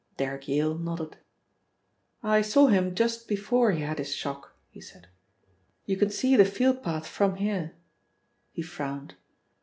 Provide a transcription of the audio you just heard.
Derrick Yale nodded. "I saw him just before he had his shock," he said. "You can see the field path from here." He frowned.